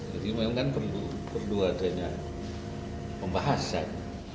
jadi memang kan perlu adanya pembahasan